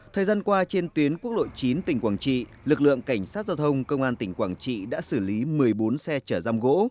thời gian qua trên tuyến quốc lộ chín tỉnh quảng trị lực lượng cảnh sát giao thông công an tỉnh quảng trị đã xử lý một mươi bốn xe chở răm gỗ